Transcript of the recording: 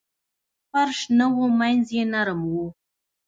فرش نه و مینځ یې نرم و.